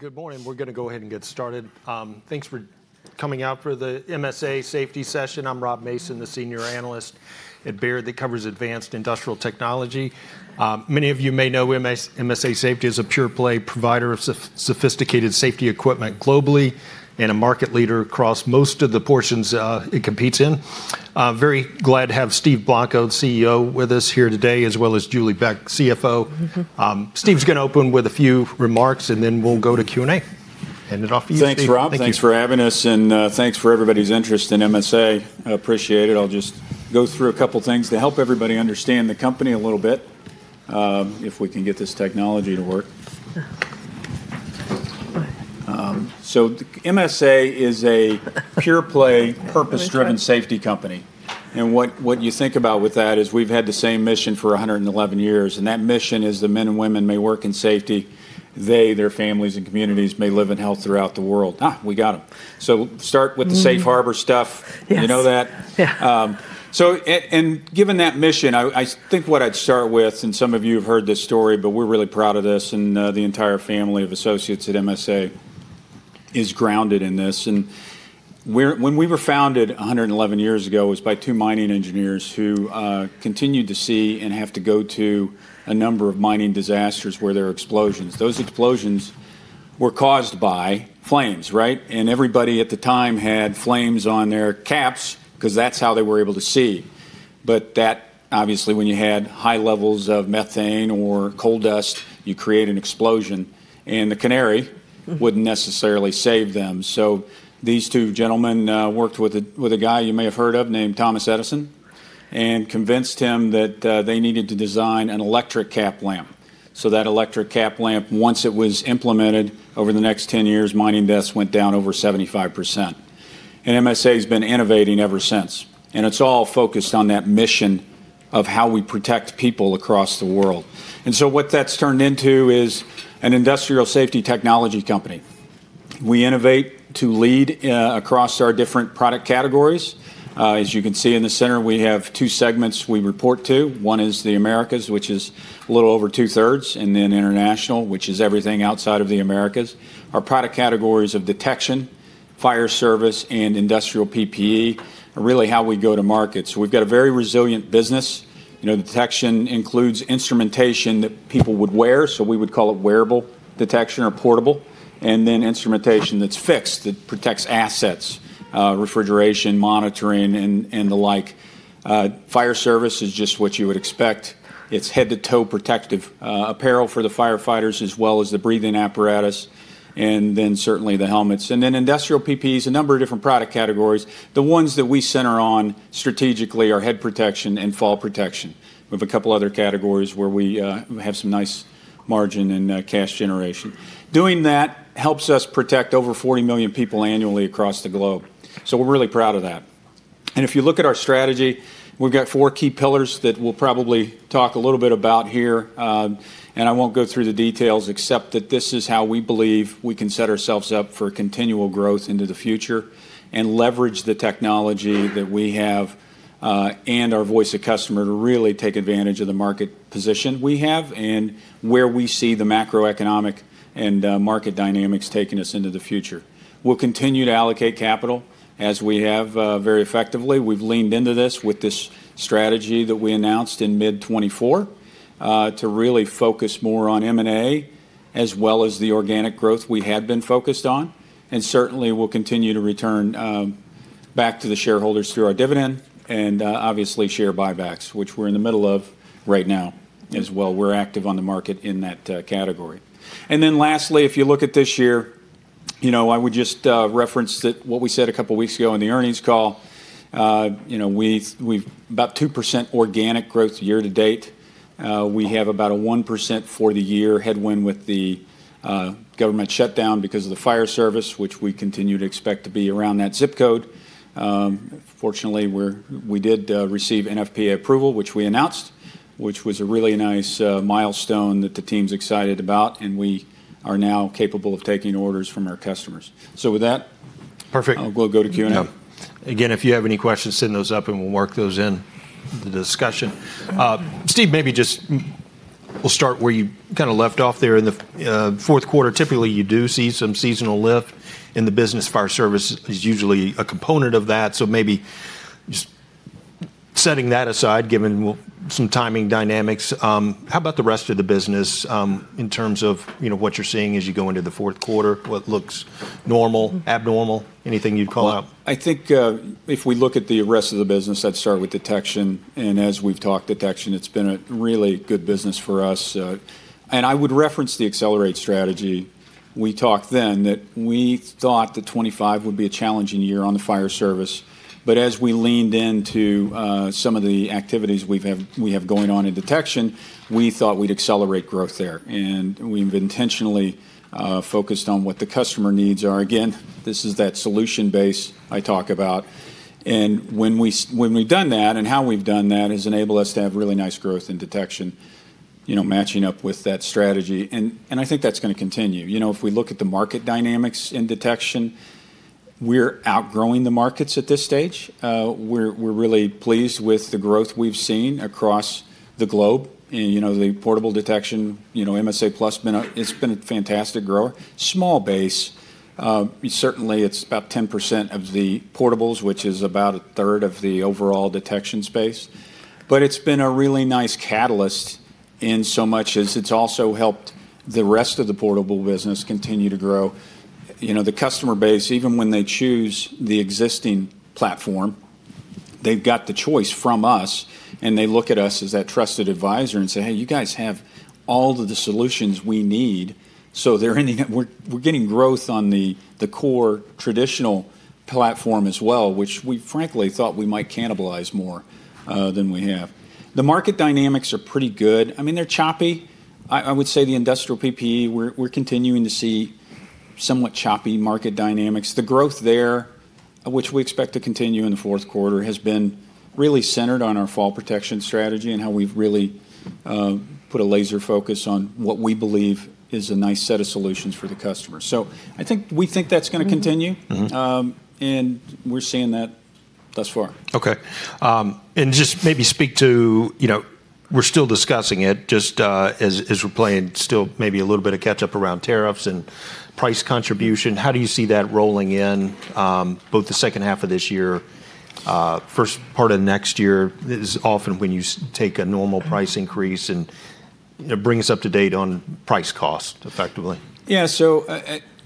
Good morning. We're going to go ahead and get started. Thanks for coming out for the MSA Safety session. I'm Rob Mason, the Senior Analyst at Baird that covers Advanced Industrial Technology. Many of you may know MSA Safety as a pure-play provider of sophisticated safety equipment globally and a market leader across most of the portions it competes in. Very glad to have Steve Blanco, the CEO, with us here today, as well as Julie Beck, CFO. Steve's going to open with a few remarks, and then we'll go to Q&A. Hand it off to you. Thanks, Rob. Thanks for having us, and thanks for everybody's interest in MSA. Appreciate it. I'll just go through a couple of things to help everybody understand the company a little bit, if we can get this technology to work. MSA is a pure-play, purpose-driven safety company. What you think about with that is we've had the same mission for 111 years. That mission is that men and women may work in safety. They, their families, and communities may live in health throughout the world. We got them. Start with the safe harbor stuff. You know that? Yeah. Given that mission, I think what I'd start with, and some of you have heard this story, but we're really proud of this, and the entire family of associates at MSA is grounded in this. When we were founded 111 years ago, it was by two mining engineers who continued to see and have to go to a number of mining disasters where there are explosions. Those explosions were caused by flames, right? Everybody at the time had flames on their caps because that's how they were able to see. That, obviously, when you had high levels of methane or coal dust, you create an explosion. The canary wouldn't necessarily save them. These two gentlemen worked with a guy you may have heard of named Thomas Edison and convinced him that they needed to design an electric cap lamp. That electric cap lamp, once it was implemented over the next 10 years, mining deaths went down over 75%. MSA has been innovating ever since. It is all focused on that mission of how we protect people across the world. What that has turned into is an industrial safety technology company. We innovate to lead across our different product categories. As you can see in the center, we have two segments we report to. One is the Americas, which is a little over two-thirds, and then international, which is everything outside of the Americas. Our product categories of detection, fire service, and industrial PPE are really how we go to market. We have a very resilient business. Detection includes instrumentation that people would wear, so we would call it wearable detection or portable, and then instrumentation that is fixed that protects assets, refrigeration, monitoring, and the like. Fire service is just what you would expect. It is head-to-toe protective apparel for the firefighters, as well as the breathing apparatus, and certainly the helmets. Industrial PPE is a number of different product categories. The ones that we center on strategically are head protection and fall protection. We have a couple of other categories where we have some nice margin and cash generation. Doing that helps us protect over 40 million people annually across the globe. We are really proud of that. If you look at our strategy, we have four key pillars that we will probably talk a little bit about here. I will not go through the details except that this is how we believe we can set ourselves up for continual growth into the future and leverage the technology that we have and our voice of customer to really take advantage of the market position we have and where we see the macroeconomic and market dynamics taking us into the future. We will continue to allocate capital as we have very effectively. We have leaned into this with this strategy that we announced in mid-2024 to really focus more on M&A as well as the organic growth we had been focused on. Certainly, we will continue to return back to the shareholders through our dividend and obviously share buybacks, which we are in the middle of right now as well. We are active on the market in that category. Lastly, if you look at this year, I would just reference what we said a couple of weeks ago in the earnings call. We have about 2% organic growth year to date. We have about a 1% for the year headwind with the government shutdown because of the fire service, which we continue to expect to be around that zip code. Fortunately, we did receive NFPA approval, which we announced, which was a really nice milestone that the team's excited about. We are now capable of taking orders from our customers. With that. Perfect. We'll go to Q&A. Again, if you have any questions, send those up, and we'll mark those in the discussion. Steve, maybe just we'll start where you kind of left off there in the fourth quarter. Typically, you do see some seasonal lift, and the business fire service is usually a component of that. Maybe just setting that aside, given some timing dynamics, how about the rest of the business in terms of what you're seeing as you go into the fourth quarter? What looks normal, abnormal, anything you'd call out? I think if we look at the rest of the business, that'd start with detection. As we've talked, detection has been a really good business for us. I would reference the accelerate strategy. We talked then that we thought that 2025 would be a challenging year on the fire service. As we leaned into some of the activities we have going on in detection, we thought we'd accelerate growth there. We've intentionally focused on what the customer needs are. Again, this is that solution base I talk about. When we've done that and how we've done that has enabled us to have really nice growth in detection, matching up with that strategy. I think that's going to continue. If we look at the market dynamics in detection, we're outgrowing the markets at this stage. We're really pleased with the growth we've seen across the globe. The portable detection, MSA Plus, has been a fantastic grower. Small base. Certainly, it's about 10% of the portables, which is about a third of the overall detection space. It has been a really nice catalyst in so much as it's also helped the rest of the portable business continue to grow. The customer base, even when they choose the existing platform, they've got the choice from us. They look at us as that trusted advisor and say, "Hey, you guys have all of the solutions we need." We're getting growth on the core traditional platform as well, which we, frankly, thought we might cannibalize more than we have. The market dynamics are pretty good. I mean, they're choppy. I would say the industrial PPE, we're continuing to see somewhat choppy market dynamics. The growth there, which we expect to continue in the fourth quarter, has been really centered on our fall protection strategy and how we've really put a laser focus on what we believe is a nice set of solutions for the customer. I think we think that's going to continue. We're seeing that thus far. Okay. And just maybe speak to we're still discussing it, just as we're playing still maybe a little bit of catch-up around tariffs and price contribution. How do you see that rolling in both the second half of this year, first part of next year? It's often when you take a normal price increase and bring us up to date on price cost, effectively. Yeah.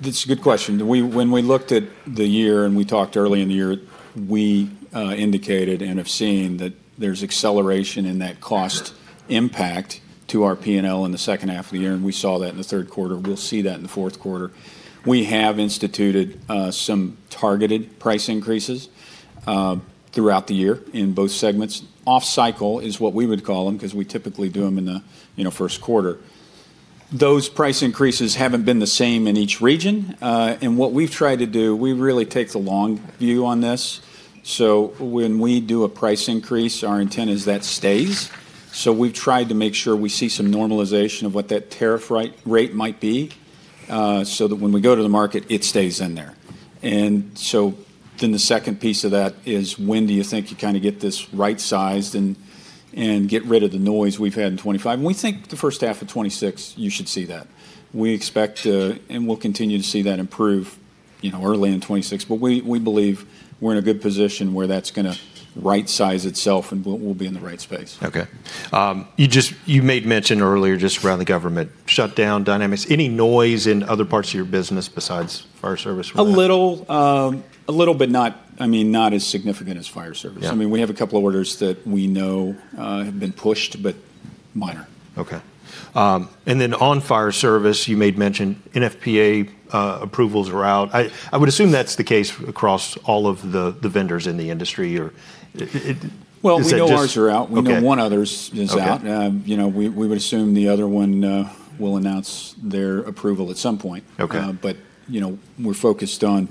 That's a good question. When we looked at the year and we talked early in the year, we indicated and have seen that there's acceleration in that cost impact to our P&L in the second half of the year. We saw that in the third quarter. We'll see that in the fourth quarter. We have instituted some targeted price increases throughout the year in both segments. Off-cycle is what we would call them because we typically do them in the first quarter. Those price increases haven't been the same in each region. What we've tried to do, we really take the long view on this. When we do a price increase, our intent is that stays. We've tried to make sure we see some normalization of what that tariff rate might be so that when we go to the market, it stays in there. The second piece of that is, when do you think you kind of get this right-sized and get rid of the noise we've had in 2025? We think the first half of 2026, you should see that. We expect and we'll continue to see that improve early in 2026. We believe we're in a good position where that's going to right-size itself, and we'll be in the right space. Okay. You made mention earlier just around the government shutdown dynamics. Any noise in other parts of your business besides fire service? A little, but I mean, not as significant as fire service. I mean, we have a couple of orders that we know have been pushed, but minor. Okay. And then on fire service, you made mention NFPA approvals are out. I would assume that's the case across all of the vendors in the industry. We know ours are out. We know one other's is out. We would assume the other one will announce their approval at some point. We are focused on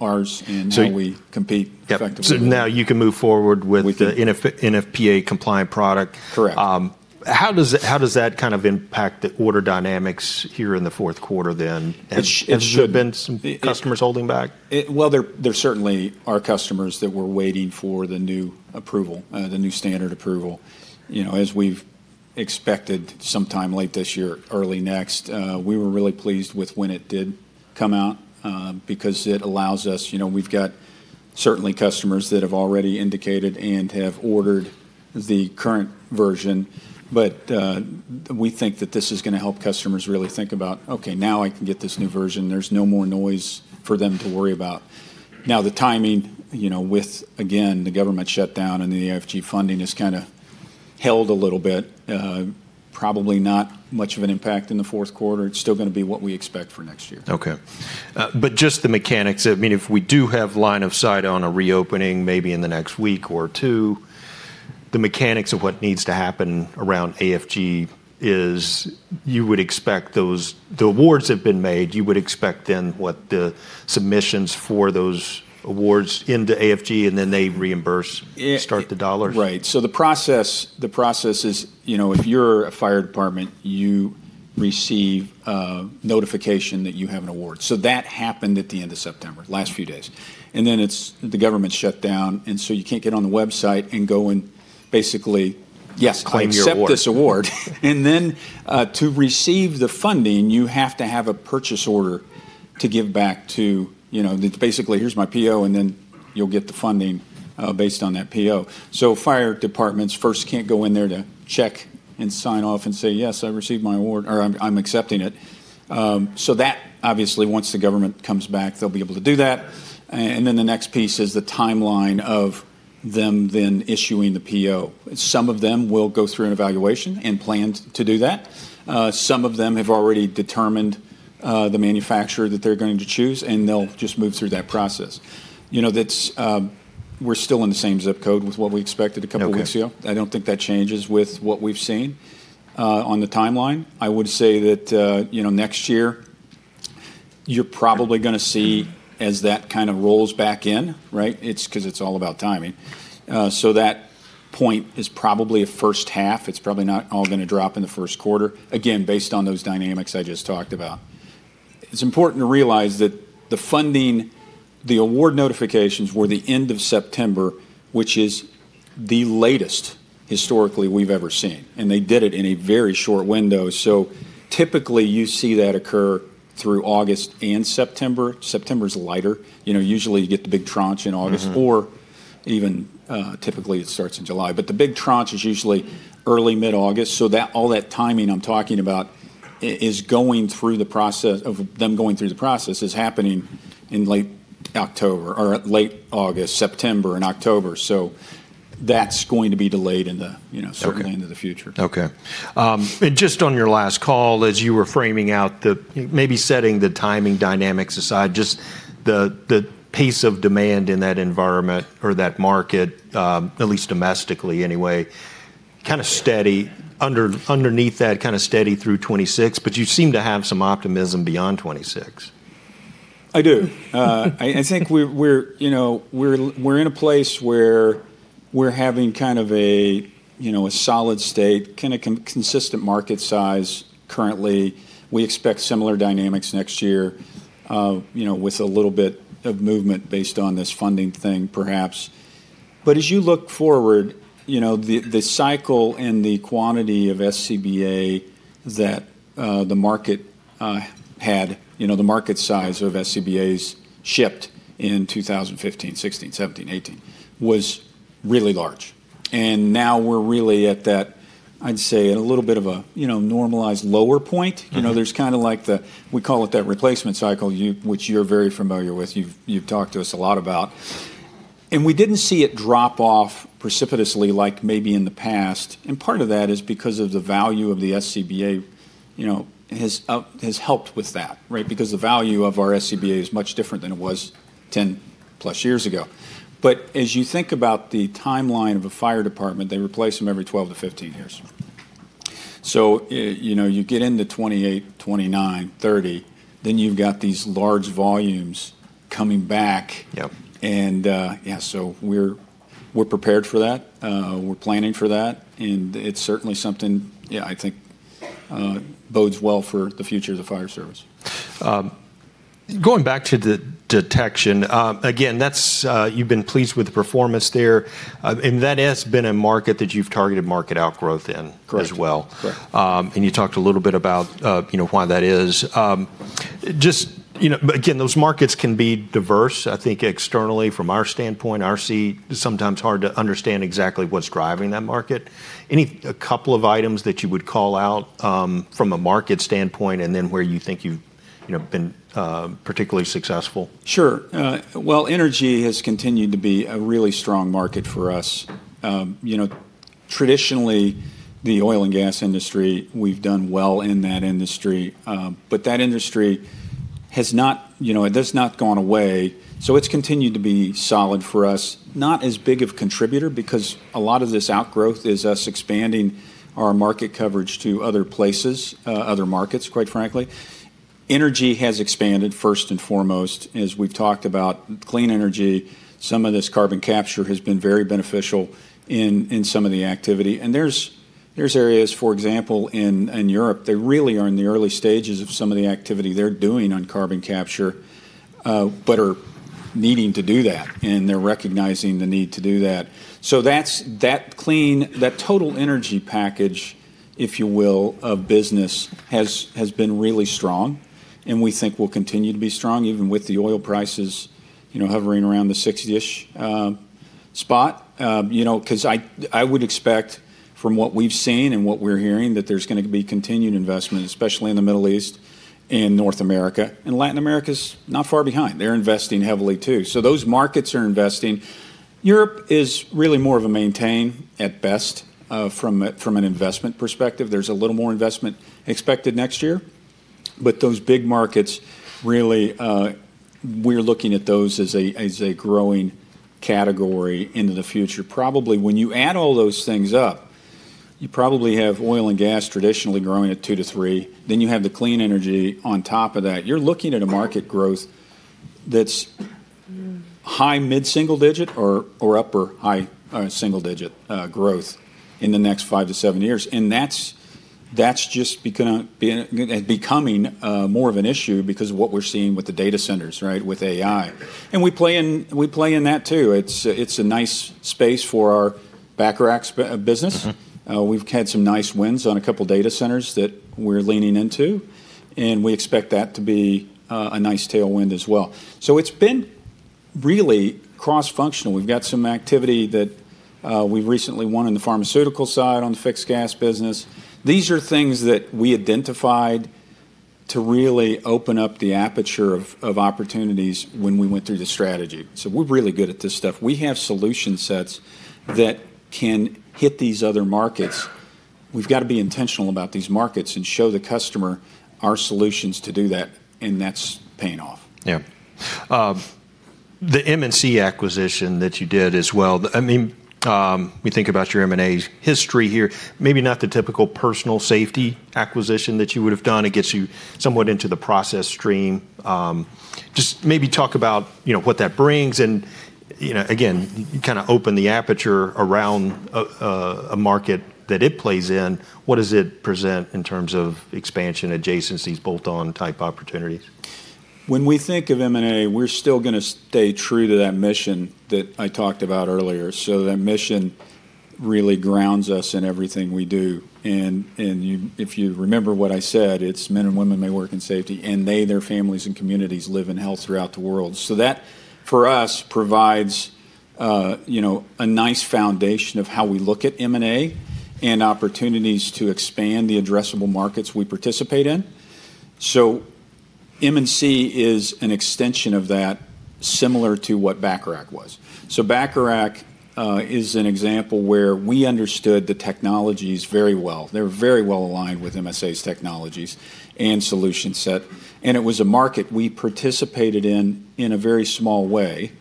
ours and how we compete effectively. Now you can move forward with the NFPA-compliant product. Correct. How does that kind of impact the order dynamics here in the fourth quarter? Should there have been some customers holding back? There certainly are customers that were waiting for the new approval, the new standard approval. As we've expected sometime late this year, early next, we were really pleased with when it did come out because it allows us, we've got certainly customers that have already indicated and have ordered the current version. We think that this is going to help customers really think about, "Okay, now I can get this new version. There's no more noise for them to worry about." Now, the timing with, again, the government shutdown and the AFG funding has kind of held a little bit, probably not much of an impact in the fourth quarter. It's still going to be what we expect for next year. Okay. Just the mechanics, I mean, if we do have line of sight on a reopening maybe in the next week or two, the mechanics of what needs to happen around AFG is you would expect those, the awards have been made. You would expect then what, the submissions for those awards into AFG, and then they reimburse and start the dollars. Right. So the process is if you're a fire department, you receive notification that you have an award. That happened at the end of September, last few days. The government shut down. You can't get on the website and go and basically. Yes, claim your award. Accept this award. Then to receive the funding, you have to have a purchase order to give back to basically, "Here's my PO," and then you'll get the funding based on that PO. Fire departments first can't go in there to check and sign off and say, "Yes, I received my award," or, "I'm accepting it." That, obviously, once the government comes back, they'll be able to do that. The next piece is the timeline of them then issuing the PO. Some of them will go through an evaluation and plan to do that. Some of them have already determined the manufacturer that they're going to choose, and they'll just move through that process. We're still in the same zip code with what we expected a couple of weeks ago. I don't think that changes with what we've seen on the timeline. I would say that next year, you're probably going to see as that kind of rolls back in, right? It's because it's all about timing. That point is probably a first half. It's probably not all going to drop in the first quarter, again, based on those dynamics I just talked about. It's important to realize that the funding, the award notifications were the end of September, which is the latest historically we've ever seen. They did it in a very short window. Typically, you see that occur through August and September. September is lighter. Usually, you get the big tranche in August, or even typically, it starts in July. The big tranche is usually early, mid-August. All that timing I'm talking about is going through the process of them going through the process is happening in late August, September, and October. That's going to be delayed certainly into the future. Okay. Just on your last call, as you were framing out the maybe setting the timing dynamics aside, just the pace of demand in that environment or that market, at least domestically anyway, kind of steady underneath that, kind of steady through 2026, but you seem to have some optimism beyond 2026. I do. I think we're in a place where we're having kind of a solid state, kind of consistent market size currently. We expect similar dynamics next year with a little bit of movement based on this funding thing, perhaps. As you look forward, the cycle and the quantity of SCBA that the market had, the market size of SCBAs shipped in 2015, 2016, 2017, 2018 was really large. Now we're really at that, I'd say, a little bit of a normalized lower point. There's kind of like the, we call it that replacement cycle, which you're very familiar with. You've talked to us a lot about it. We didn't see it drop off precipitously like maybe in the past. Part of that is because of the value of the SCBA has helped with that, right? Because the value of our SCBA is much different than it was 10-plus years ago. As you think about the timeline of a fire department, they replace them every 12 to 15 years. You get into 2028, 2029, 2030, then you have these large volumes coming back. Yeah, we are prepared for that. We are planning for that. It is certainly something, yeah, I think bodes well for the future of the fire service. Going back to the detection, again, you've been pleased with the performance there. That has been a market that you've targeted market outgrowth in as well. You talked a little bit about why that is. Just again, those markets can be diverse. I think externally, from our standpoint, our seat is sometimes hard to understand exactly what's driving that market. Any a couple of items that you would call out from a market standpoint and then where you think you've been particularly successful? Sure. Energy has continued to be a really strong market for us. Traditionally, the oil and gas industry, we've done well in that industry. That industry has not gone away. It has continued to be solid for us. Not as big of a contributor because a lot of this outgrowth is us expanding our market coverage to other places, other markets, quite frankly. Energy has expanded, first and foremost, as we've talked about clean energy. Some of this carbon capture has been very beneficial in some of the activity. There are areas, for example, in Europe, they really are in the early stages of some of the activity they're doing on carbon capture, but are needing to do that. They're recognizing the need to do that. That total energy package, if you will, of business has been really strong. We think will continue to be strong even with the oil prices hovering around the $60-ish spot. I would expect from what we've seen and what we're hearing that there's going to be continued investment, especially in the Middle East and North America. Latin America's not far behind. They're investing heavily too. Those markets are investing. Europe is really more of a maintain at best from an investment perspective. There's a little more investment expected next year. Those big markets, really, we're looking at those as a growing category into the future. Probably when you add all those things up, you probably have oil and gas traditionally growing at 2%-3%. Then you have the clean energy on top of that. You're looking at a market growth that's high, mid-single digit, or upper high single-digit growth in the next five to seven years. That is just becoming more of an issue because of what we are seeing with the data centers, right, with AI. We play in that too. It is a nice space for our backer business. We have had some nice wins on a couple of data centers that we are leaning into. We expect that to be a nice tailwind as well. It has been really cross-functional. We have some activity that we recently won in the pharmaceutical side on the fixed gas business. These are things that we identified to really open up the aperture of opportunities when we went through the strategy. We are really good at this stuff. We have solution sets that can hit these other markets. We have to be intentional about these markets and show the customer our solutions to do that. That is paying off. Yeah. The M&C TechGroup acquisition that you did as well. I mean, we think about your M&A history here. Maybe not the typical personal safety acquisition that you would have done. It gets you somewhat into the process stream. Just maybe talk about what that brings. Again, you kind of open the aperture around a market that it plays in. What does it present in terms of expansion, adjacencies, bolt-on type opportunities? When we think of M&A, we're still going to stay true to that mission that I talked about earlier. That mission really grounds us in everything we do. If you remember what I said, it's men and women may work in safety, and they, their families and communities live in health throughout the world. That for us provides a nice foundation of how we look at M&A and opportunities to expand the addressable markets we participate in. M&C is an extension of that similar to what Bacharach was. Bacharach is an example where we understood the technologies very well. They're very well aligned with MSA's technologies and solution set. It was a market we participated in in a very small way.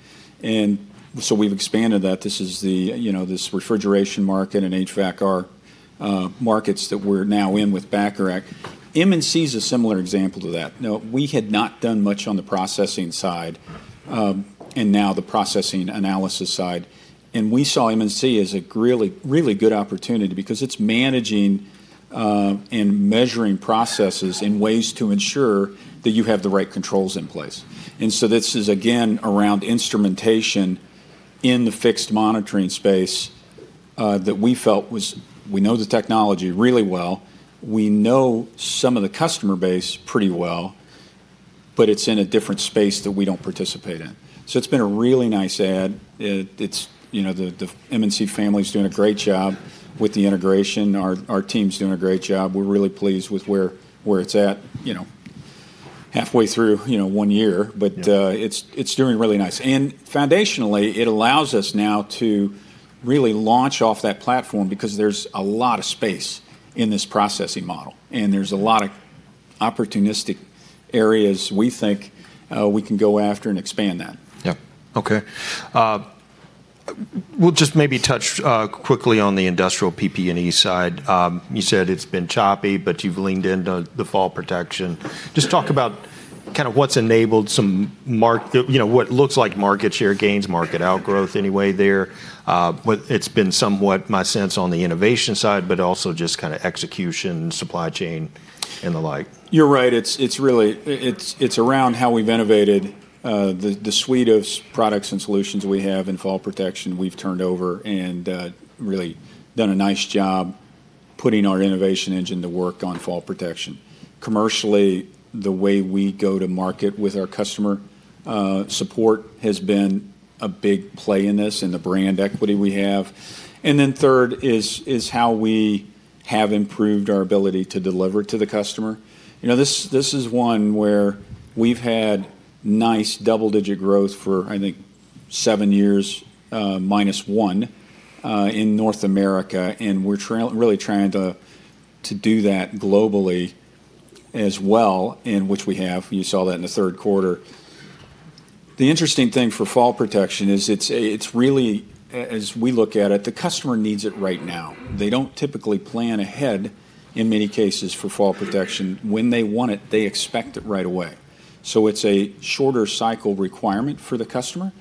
We've expanded that. This is the refrigeration market and HVAC are markets that we're now in with Bacharach. M&C is a similar example to that. Now, we had not done much on the processing side and now the processing analysis side. We saw M&C as a really, really good opportunity because it's managing and measuring processes in ways to ensure that you have the right controls in place. This is again around instrumentation in the fixed monitoring space that we felt was we know the technology really well. We know some of the customer base pretty well, but it's in a different space that we do not participate in. It has been a really nice add. The M&C family is doing a great job with the integration. Our team's doing a great job. We're really pleased with where it's at halfway through one year. It is doing really nice. Foundationally, it allows us now to really launch off that platform because there's a lot of space in this processing model. There's a lot of opportunistic areas we think we can go after and expand that. Yeah. Okay. We'll just maybe touch quickly on the industrial PPE side. You said it's been choppy, but you've leaned into the fall protection. Just talk about kind of what's enabled some what looks like market share gains, market outgrowth anyway there. It's been somewhat my sense on the innovation side, but also just kind of execution, supply chain, and the like. You're right. It's around how we've innovated the suite of products and solutions we have in fall protection. We've turned over and really done a nice job putting our innovation engine to work on fall protection. Commercially, the way we go to market with our customer support has been a big play in this and the brand equity we have. Third is how we have improved our ability to deliver to the customer. This is one where we've had nice double-digit growth for, I think, seven years minus one in North America. We're really trying to do that globally as well, in which we have, you saw that in the third quarter. The interesting thing for fall protection is it's really, as we look at it, the customer needs it right now. They don't typically plan ahead in many cases for fall protection. When they want it, they expect it right away. It is a shorter cycle requirement for the customer.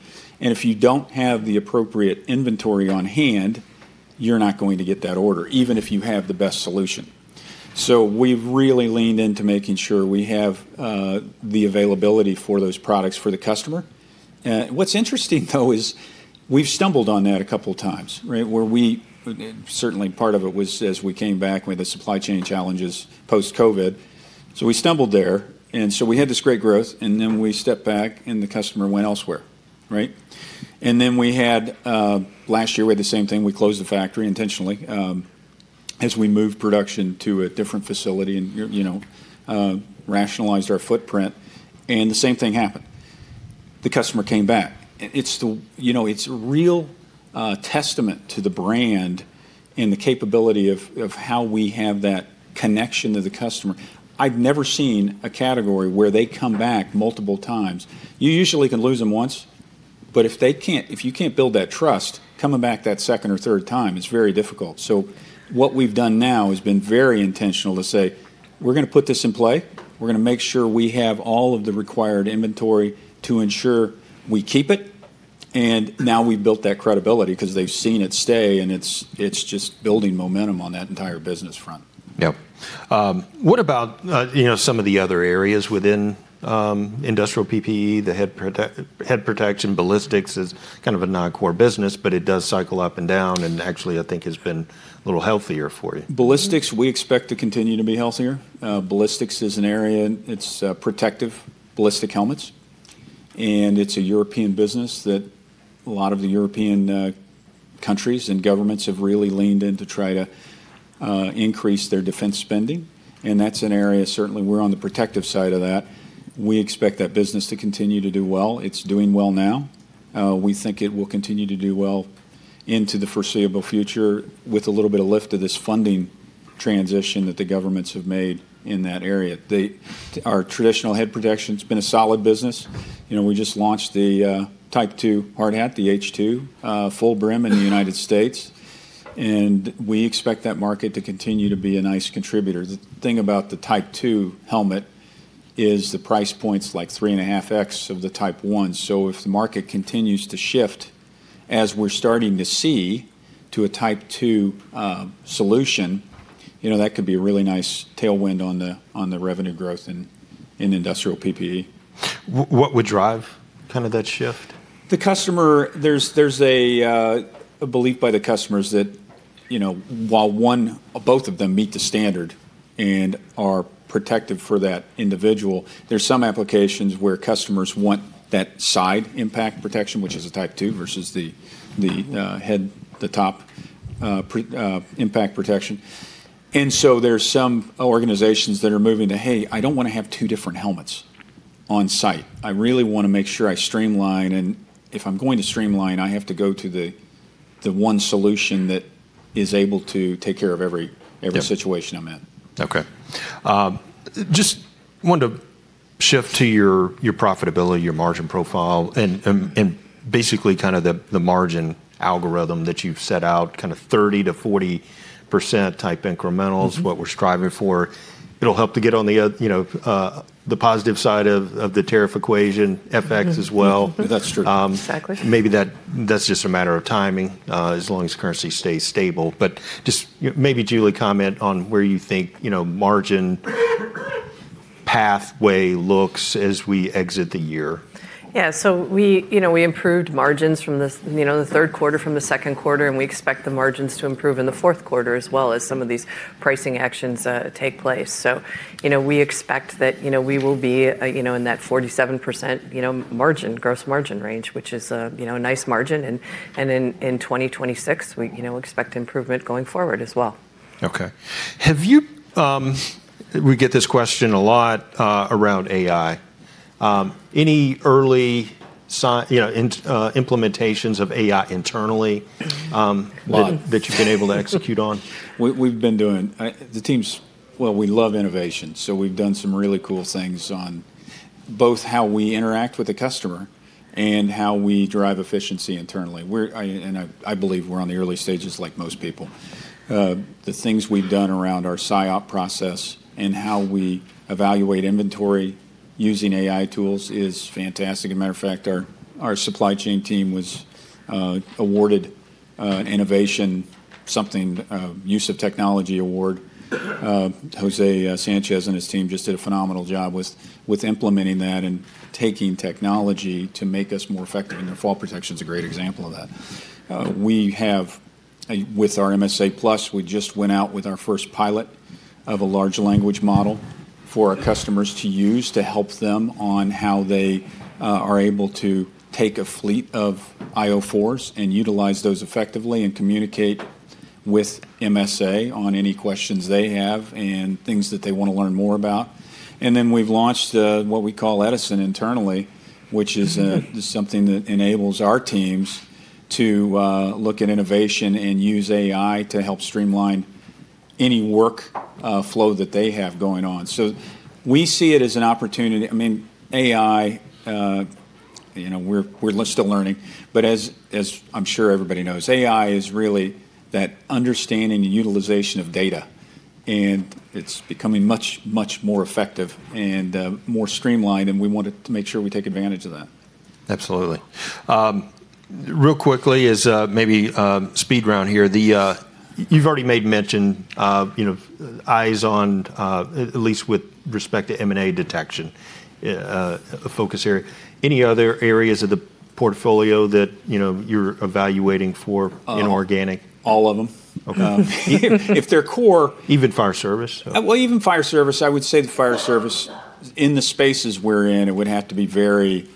If you do not have the appropriate inventory on hand, you are not going to get that order, even if you have the best solution. We have really leaned into making sure we have the availability for those products for the customer. What is interesting, though, is we have stumbled on that a couple of times, right? Certainly, part of it was as we came back with the supply chain challenges post-COVID. We stumbled there. We had this great growth. We stepped back and the customer went elsewhere, right? Last year, we had the same thing. We closed the factory intentionally as we moved production to a different facility and rationalized our footprint. The same thing happened. The customer came back. It's a real testament to the brand and the capability of how we have that connection to the customer. I've never seen a category where they come back multiple times. You usually can lose them once. If you can't build that trust, coming back that second or third time is very difficult. What we've done now has been very intentional to say, "We're going to put this in play. We're going to make sure we have all of the required inventory to ensure we keep it." Now we've built that credibility because they've seen it stay. It's just building momentum on that entire business front. Yep. What about some of the other areas within industrial PPE, the head protection, ballistics is kind of a non-core business, but it does cycle up and down and actually, I think has been a little healthier for you. Ballistics, we expect to continue to be healthier. Ballistics is an area. It's protective ballistic helmets. It's a European business that a lot of the European countries and governments have really leaned in to try to increase their defense spending. That's an area, certainly, we're on the protective side of that. We expect that business to continue to do well. It's doing well now. We think it will continue to do well into the foreseeable future with a little bit of lift to this funding transition that the governments have made in that area. Our traditional head protection has been a solid business. We just launched the Type II hard hat, the H2 full brim in the United States. We expect that market to continue to be a nice contributor. The thing about the Type II helmet is the price point is like three and a half X of the Type I. If the market continues to shift as we're starting to see to a Type II solution, that could be a really nice tailwind on the revenue growth in industrial PPE. What would drive kind of that shift? There's a belief by the customers that while both of them meet the standard and are protective for that individual, there's some applications where customers want that side impact protection, which is a Type II versus the top impact protection. There's some organizations that are moving to, "Hey, I don't want to have two different helmets on site. I really want to make sure I streamline. If I'm going to streamline, I have to go to the one solution that is able to take care of every situation I'm in. Okay. Just want to shift to your profitability, your margin profile, and basically kind of the margin algorithm that you've set out, kind of 30-40% type incrementals, what we're striving for. It'll help to get on the positive side of the tariff equation, FX as well. That's true. Exactly. Maybe that's just a matter of timing as long as currency stays stable. Maybe, Julie, comment on where you think margin pathway looks as we exit the year. Yeah. We improved margins from the third quarter, from the second quarter. We expect the margins to improve in the fourth quarter as well as some of these pricing actions take place. We expect that we will be in that 47% gross margin range, which is a nice margin. In 2026, we expect improvement going forward as well. Okay. We get this question a lot around AI. Any early implementations of AI internally that you've been able to execute on? We've been doing the teams, well, we love innovation. We've done some really cool things on both how we interact with the customer and how we drive efficiency internally. I believe we're on the early stages like most people. The things we've done around our SIOP process and how we evaluate inventory using AI tools is fantastic. As a matter of fact, our supply chain team was awarded an innovation, something use of technology award. Jose Sanchez and his team just did a phenomenal job with implementing that and taking technology to make us more effective. Their fall protection is a great example of that. With our MSA Plus, we just went out with our first pilot of a large language model for our customers to use to help them on how they are able to take a fleet of io 4s and utilize those effectively and communicate with MSA on any questions they have and things that they want to learn more about. We have launched what we call Edison internally, which is something that enables our teams to look at innovation and use AI to help streamline any workflow that they have going on. We see it as an opportunity. I mean, AI, we're still learning. As I'm sure everybody knows, AI is really that understanding and utilization of data. It is becoming much, much more effective and more streamlined. We wanted to make sure we take advantage of that. Absolutely. Real quickly, as maybe speed round here, you've already made mention, eyes on, at least with respect to M&A detection, a focus area. Any other areas of the portfolio that you're evaluating for inorganic? All of them. If they're core. Even fire service. Even fire service, I would say the fire service in the spaces we're in, it would have to be very,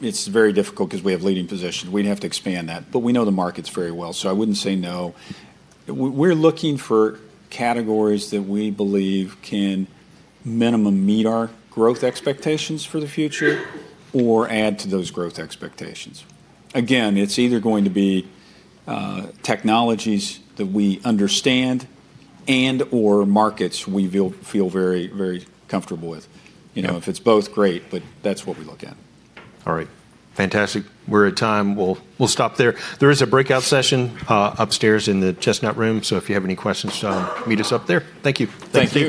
it's very difficult because we have leading positions. We'd have to expand that. We know the markets very well. I wouldn't say no. We're looking for categories that we believe can minimum meet our growth expectations for the future or add to those growth expectations. Again, it's either going to be technologies that we understand and/or markets we feel very, very comfortable with. If it's both, great. That's what we look at. All right. Fantastic. We're at time. We'll stop there. There is a breakout session upstairs in the Chestnut Room. So if you have any questions, meet us up there. Thank you. Thank you.